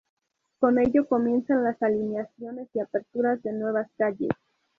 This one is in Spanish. Con ello comienzan las alineaciones y aperturas de nuevas calles.